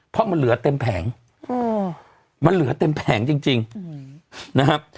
เพราะมันเหลือเต็มแผงมันเหลือเต็มแผงจริงนะครับ